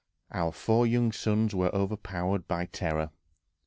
Our four young sons were overpowered by terror.